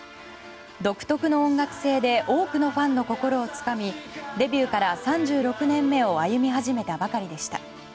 独特の音楽性で多くのファンの心をつかみデビューから３６年目を歩み始めたばかりでした。